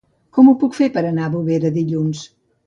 Com ho puc fer per anar a Bovera dilluns?